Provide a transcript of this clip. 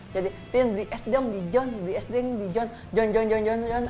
jadi tin di es dong di john di es dong di john john john john john